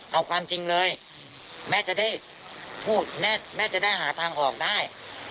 เอาความจริงเลยแม่จะได้พูดแม่จะได้หาทางออกได้